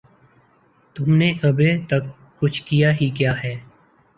تم نے ابھے تک کچھ کیا ہی کیا ہے